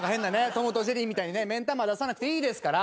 『トムとジェリー』みたいにね目ん玉出さなくていいですから。